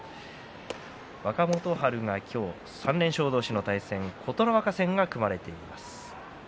若元春、今日は３連勝同士の対戦琴ノ若戦が組まれています。